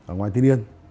ở ngoài tiên yên